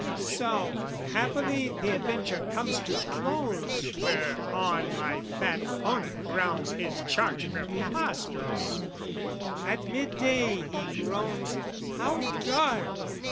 So, happily the adventure comes to close Whereon my fat opponent grounds his charge Preposterous: at mid day he groans "How dark!"